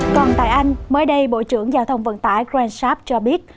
còn tại anh mới đây bộ trưởng giao thông vận tải grant sharp cho biết